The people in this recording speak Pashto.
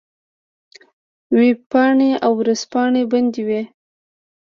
وېبپاڼې او ورځپاڼې بندوي.